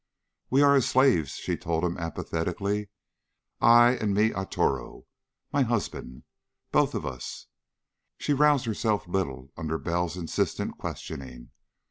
"We are his slaves," she told him apathetically. "I and mi Arturo my husband. Both of us...." She roused herself little under Bell's insistent questioning.